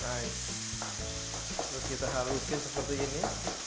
lalu kita haluskan seperti ini